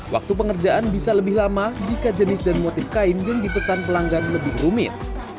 waktu pengerjaan bisa lebih lama jika jenis dan motif kain yang dipesan pelanggan lebih rumit